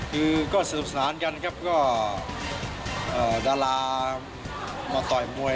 คือก็สนุกสนานกันครับก็ดารามาต่อยมวย